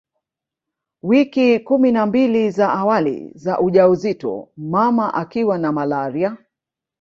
Wiki kumi na mbili za awali za ujauzito mama akiwa na malaria